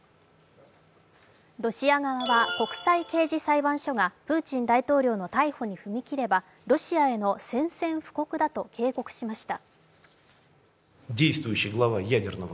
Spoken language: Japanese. ロシア側は国際刑事裁判所がプーチン大統領の逮捕に踏み切ればロシアへの宣戦布告だと警告しました。